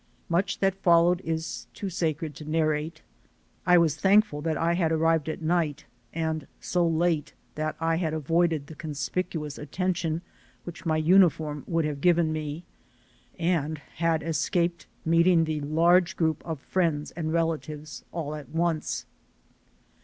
Much that followed is too sacred to narrate. I was thankful that I had ar rived at night, and so late that I had avoided the conspicuous attention which my uniform would have given me, and had escaped meeting the large group of friends and relatives all at once.